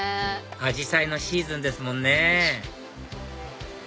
アジサイのシーズンですもんね